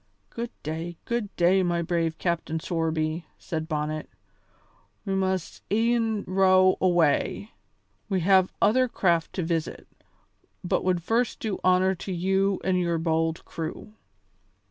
"Good day, good day, my brave Captain Sorby," said Bonnet, "we must e'en row away; we have other craft to visit, but would first do honour to you and your bold crew."